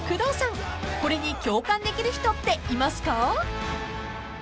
［これに共感できる人っていますか？］